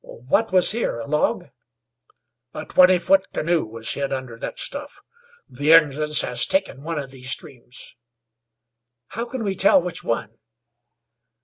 "What was here? A log?" "A twenty foot canoe was hid under thet stuff. The Injuns has taken one of these streams." "How can we tell which one?"